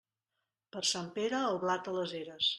Per Sant Pere, el blat a les eres.